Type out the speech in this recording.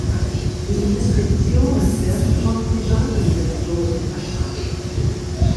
Die Investitionen werden von Privatinvestoren erbracht.